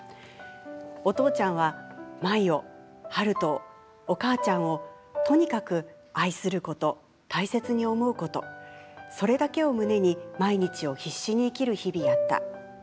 お父ちゃんは舞を悠人をお母ちゃんをとにかく愛すること大切に思うことそれだけを胸に毎日を必死に生きる日々やった。